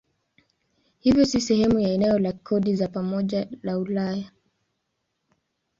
Hivyo si sehemu ya eneo la kodi za pamoja la Ulaya.